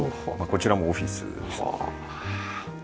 こちらもオフィスですね。